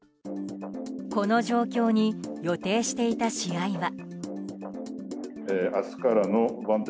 この状況に予定していた試合は。